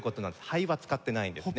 肺は使ってないんですね。